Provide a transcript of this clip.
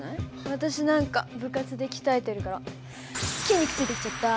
私なんか部活で鍛えてるから筋肉ついてきちゃった！